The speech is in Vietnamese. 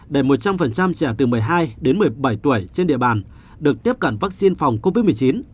để một trăm linh trẻ từ một mươi hai đến một mươi bảy tuổi trên địa bàn được tiếp cận vaccine phòng covid một mươi chín